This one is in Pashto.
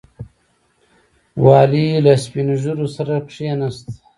والي له سپین ږیرو سره کښېناست.